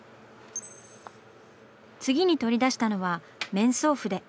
次に取り出したのは面相筆。